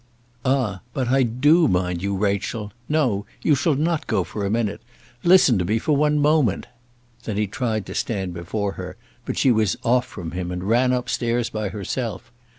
"Ah, but I do mind you. Rachel no; you shall not go for a minute. Listen to me for one moment." Then he tried to stand before her, but she was off from him, and ran up stairs by herself.